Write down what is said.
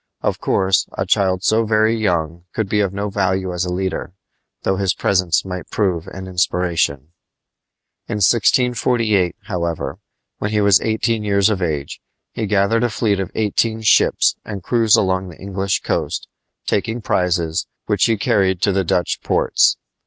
Of course, a child so very young could be of no value as a leader, though his presence might prove an inspiration. In 1648, however, when he was eighteen years of age, he gathered a fleet of eighteen ships and cruised along the English coast, taking prizes, which he carried to the Dutch ports.